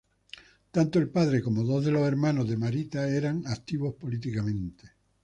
Tanto el padre como dos de los hermanos de Marita eran activos políticamente.